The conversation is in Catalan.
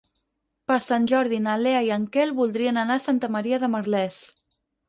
Per Sant Jordi na Lea i en Quel voldrien anar a Santa Maria de Merlès.